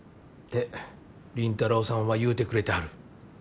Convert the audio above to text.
って凛太朗さんは言うてくれてはる。